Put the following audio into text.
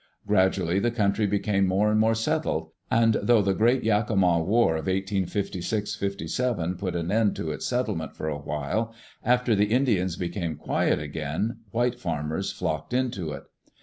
Gradually the country became more and more settled, and though the great Yakima war of 185 6 1857 put an end to its settle ment for a while, after the Indians became quiet again white farmers flocked into it.